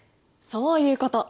そういうこと！